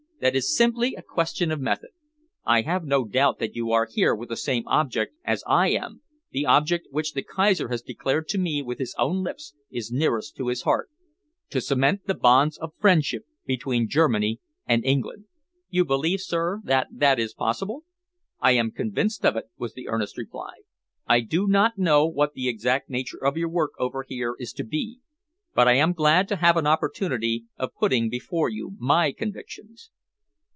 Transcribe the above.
That is simply a question of method. I have no doubt that you are here with the same object as I am, the object which the Kaiser has declared to me with his own lips is nearest to his heart to cement the bonds of friendship between Germany and England." "You believe, sir, that that is possible?" "I am convinced of it," was the earnest reply. "I do not know what the exact nature of your work over here is to be, but I am glad to have an opportunity of putting before you my convictions.